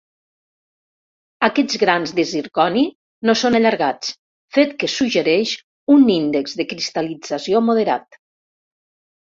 Aquests grans de zirconi no són allargats, fet que suggereix un índex de cristal·lització moderat.